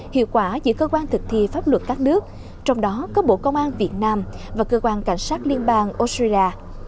hiệu quả giữa cơ quan thực thi pháp luật các nước trong đó có bộ công an việt nam và cơ quan cảnh sát liên bang australia